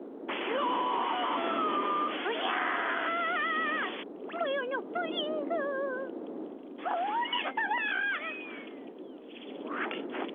おおじゃるさまっ！